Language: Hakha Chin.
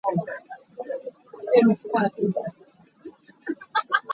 Tlangval nih ngaknu a pom.